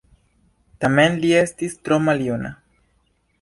Tamen li estis tro maljuna.